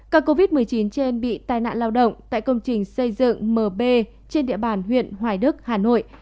ca covid một mươi chín trên bị tai nạn lao động tại công trình xây dựng mb trên địa bàn huyện hoài đức hà nội